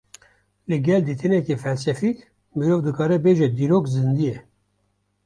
Li gel dîtineke felsefîk, mirov dikare bêje dîrok zîndî ye